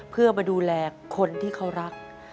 เพื่อมาดูแลคนที่เขารัก